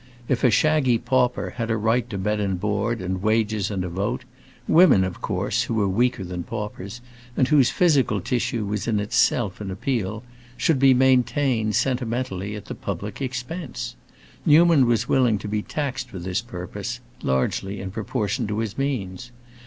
If a shaggy pauper had a right to bed and board and wages and a vote, women, of course, who were weaker than paupers, and whose physical tissue was in itself an appeal, should be maintained, sentimentally, at the public expense. Newman was willing to be taxed for this purpose, largely, in proportion to his means.